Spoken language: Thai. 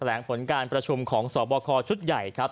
ลงผลการประชุมของสอบคอชุดใหญ่ครับ